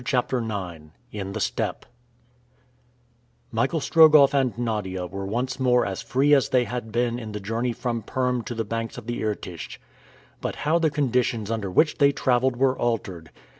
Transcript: CHAPTER IX IN THE STEPPE MICHAEL STROGOFF and Nadia were once more as free as they had been in the journey from Perm to the banks of the Irtych. But how the conditions under which they traveled were altered!